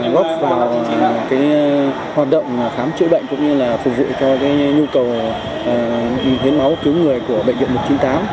góp vào cái hoạt động khám chữa bệnh cũng như là phục dụng cho cái nhu cầu hiến máu cứu người của bệnh viện một trăm chín mươi tám